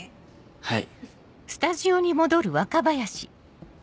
はい。